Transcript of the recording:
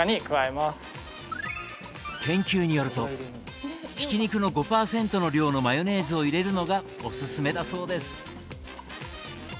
研究によるとひき肉の５％の量のマヨネーズを入れるのがおすすめだそうです。